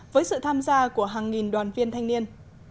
với sự tham gia của hàng nghìn đoàn viên thanh niên